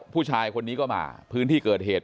ผู้ชายคนนี้ก็มาพื้นที่เกิดเหตุ